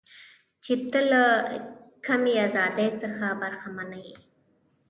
چې ته له کمې ازادۍ څخه برخمنه یې.